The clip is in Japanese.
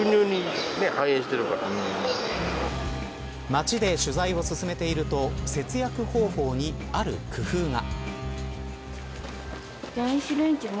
街で取材を進めていると節約方法にある工夫が。